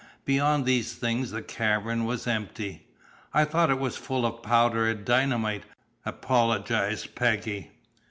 Beyond these things the cavern was empty. "I thought it was full of powder and dynamite," apologized Peggy.